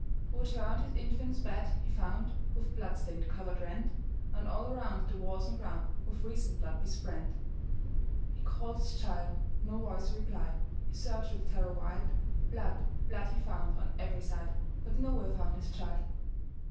O'erturned his infant's bed he found, With blood stained covert rent; And all around the walls and groundWith recent blood besprent. He called his child,—no voice replied,—He searched with terror wild; Blood, blood, he found on every side, But nowhere found his child.